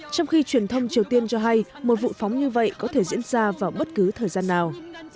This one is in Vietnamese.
trong khi truyền thông triều tiên cho hay một vụ phóng như vậy có thể diễn ra vào bất cứ thời gian nào